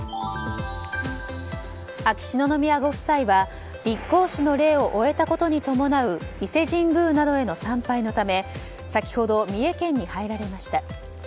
秋篠宮ご夫妻は立皇嗣の礼を終えたことに伴う伊勢神宮などへの参拝のため先ほど、三重県に入られました。